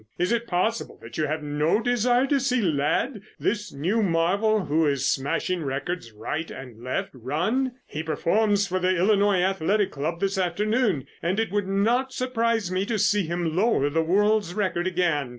Is it possible that you have no desire to see Ladd, this new marvel who is smashing records right and left, run? He performs for the Illinois Athletic Club this afternoon, and it would not surprise me to see him lower the world's record again.